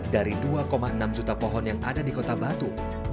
dari dua enam juta pohon yang ada di kota batu